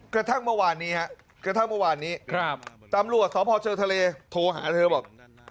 กระทั่งเมื่อวานนี้ครับตำรวจสพเชิงทะเลโทรหาเธอบอก